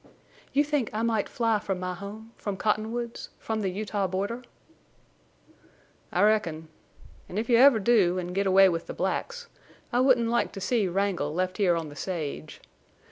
"You think I might fly from my home—from Cottonwoods—from the Utah border?" "I reckon. An' if you ever do an' get away with the blacks I wouldn't like to see Wrangle left here on the sage.